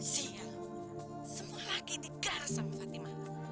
siapa semua lagi digaris sama fatima